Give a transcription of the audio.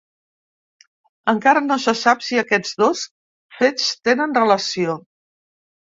Encara no se sap si aquests dos fets tenen relació.